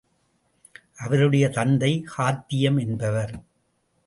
அவருடைய தந்தை ஹாத்திம் என்பவர்.